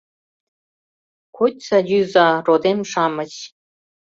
Кочса-йӱза, родем-шамыч.